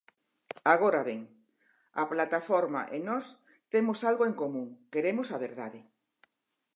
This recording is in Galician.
Agora ben, a plataforma e nós temos algo en común, queremos a verdade.